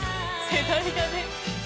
世代だね